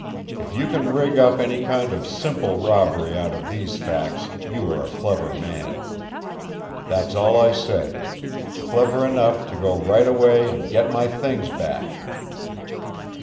If you can rig up any kind of simple robbery out of these facts you are a clever man. That's all I say; clever enough to go right away and get my things back."